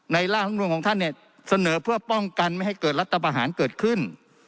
ร่างคำนวลของท่านเนี่ยเสนอเพื่อป้องกันไม่ให้เกิดรัฐประหารเกิดขึ้น